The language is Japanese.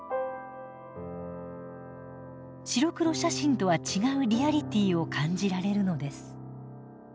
白黒写真とは違うリアリティーを感じられるのです。